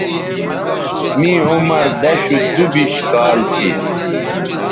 می عمر دشودُوبش کال تھی